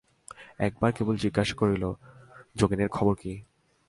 একবার কেবল জিজ্ঞাসা করিল, যোগেনের খবর কী?